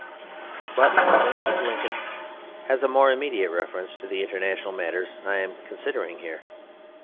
But the name of Lincoln has a more immediate reference to the international matters I am considering here.